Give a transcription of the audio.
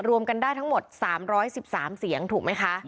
รวมกันได้ทั้งหมด๓๑๓เสียงถูกไหมคะ